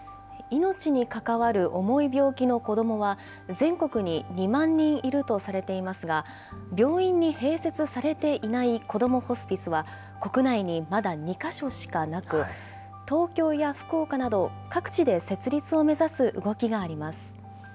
命に関わる重い病気の子どもは、全国に２万人いるとされていますが、病院に併設されていないこどもホスピスは、国内にまだ２か所しかなく、東京や福岡など、各地で設立を目指す動きがあります。